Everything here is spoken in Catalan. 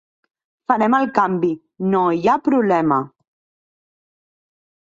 Farem el canvi, no hi ha problema.